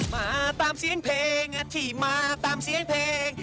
มาตามเสียงเพลงที่มาตามเสียงเพลง